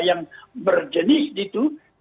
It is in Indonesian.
yang berjenis itu